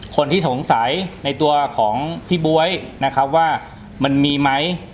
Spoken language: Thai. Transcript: คนที่สงสัยในตัวของพี่บ๊วยนะครับว่ามันมีไหม